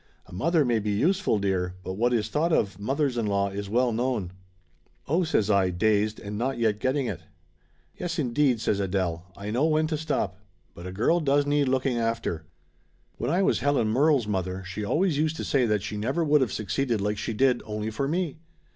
A mother may be useful, dear, but what is thought of mothers in law is well loiown." "Oh !" says I, dazed, and not yet getting it. Laughter Limited 83 "Yes, indeed !" says Adele. "I know when to stop. But a girl does need looking after. When I was Helen Murrell's mother she always used to say that she never would of succeeded like she did only for me."